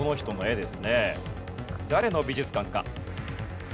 誰の美術館か？